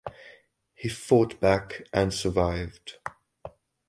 He fought back and survived.